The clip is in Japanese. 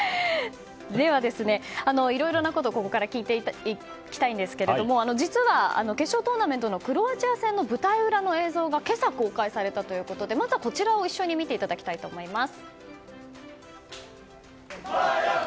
では、いろいろなことをここから聞いていきたいんですが実は、決勝トーナメントのクロアチア戦の舞台裏の映像が今朝公開されたということでまずは、こちらを一緒に見ていただきたいと思います。